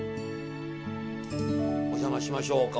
お邪魔しましょうか。